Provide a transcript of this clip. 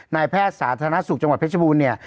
นายแพทย์สาธารณสุขจังหวัดเพชรบูรณ์เนี่ย